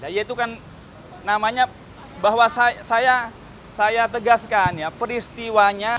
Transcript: ya itu kan namanya bahwa saya tegaskan ya peristiwanya